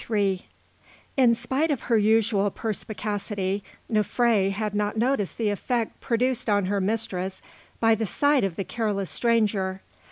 III In spite of her usual perspicacity, Nofré had not noticed the effect produced on her mistress by the sight of the careless stranger.